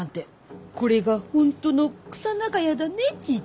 これが本当のクサ長屋だねち